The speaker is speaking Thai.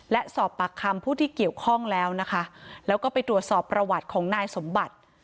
และสอบปากคำผู้ที่เกี่ยวข้องแล้วนะคะแล้วก็ไปตรวจสอบประวัติของนายสมบัติ